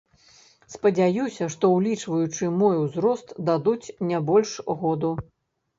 Спадзяюся, што ўлічваючы мой узрост дадуць не больш году.